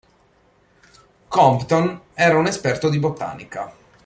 Compton era un esperto di botanica.